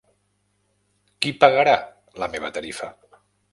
Qui pagarà la meva tarifa?